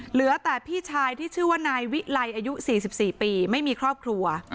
เหลือแต่พี่ชายที่ชื่อว่านายวิไลอายุ๔๔ปีไม่มีครอบครัว